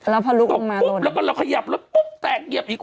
แล้วพอลุกออกมาปุ๊บแล้วก็เราขยับรถปุ๊บแตกเหยียบอีก